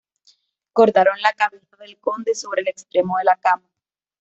Cortaron la cabeza del conde sobre el extremo de la cama.